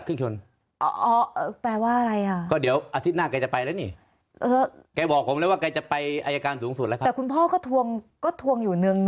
คือรอเท่านั้นถูกไหมคะขอไม่รอดับเครื่องเคลง